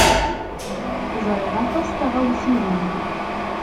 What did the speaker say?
Ẓriɣ aṭas n tɣawsiwin.